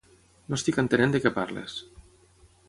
No estic entenent de què parles.